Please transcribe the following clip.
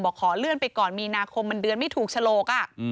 ขอเลื่อนไปก่อนมีนาคมมันเดือนไม่ถูกฉลก